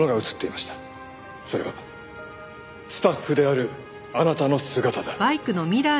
それはスタッフであるあなたの姿だ。